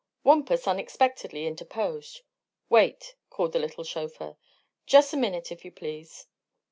Wampus unexpectedly interposed. "Wait," called the little chauffeur. "Jus' a minute, if you please."